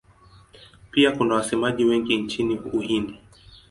Pia kuna wasemaji wengine nchini Uhindi.